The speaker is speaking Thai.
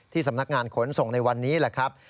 สำนักงานขนส่งในวันนี้แหละครับ